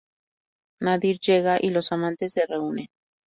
Nadir llega y los amantes se reúnen.